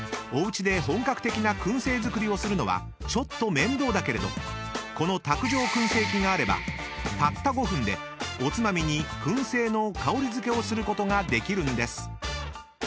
［おうちで本格的な燻製作りをするのはちょっと面倒だけれどこの卓上燻製器があればたった５分でおつまみに燻製の香り付けをすることができるんです］